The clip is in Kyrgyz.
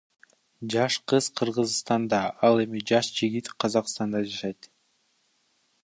Жаш кыз Кыргызстанда ал эми жаш жигит Казакстанда жашайт.